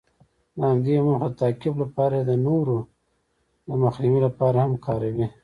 د همدې موخو د تعقیب لپاره یې د نورو د مخنیوي لپاره هم کاروي.